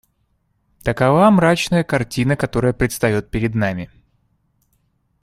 Такова мрачная картина, которая предстает перед нами.